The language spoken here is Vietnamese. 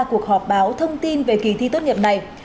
cuộc họp báo thông tin về kỳ thi tốt nghiệp này